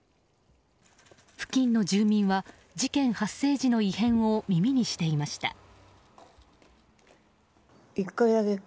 付近の住民は事件発生時の異変を耳にしていました。